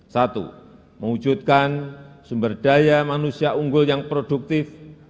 satu mewujudkan sumber daya manusia unggul yang produktif